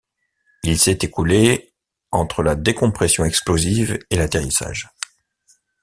Il s'est écoulé entre la décompression explosive et l'atterrissage.